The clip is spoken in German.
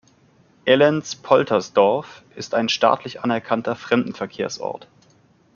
Ellenz-Poltersdorf ist ein staatlich anerkannter Fremdenverkehrsort.